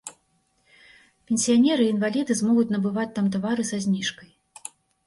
Пенсіянеры і інваліды змогуць набываць там тавары са зніжкай.